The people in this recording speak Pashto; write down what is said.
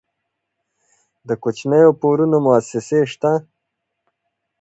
د کوچنیو پورونو موسسې شته؟